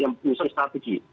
yang misalnya strategi